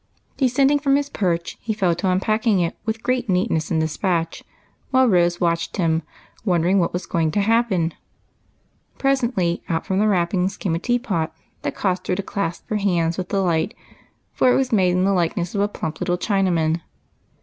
Descending from his perch, he fell to unpacking it with great neatness and despatch, while Rose watched him, wondering what was going to happen. Pres ently, out from the wrappings came a teapot, which caused her to clasp her hands with delight, for it was made in the likeness of a plump little Chinaman.